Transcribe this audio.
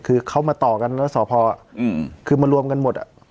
คือเขามาต่อกันแล้วสอบภอร์อ่ะอืมคือมารวมกันหมดอ่ะ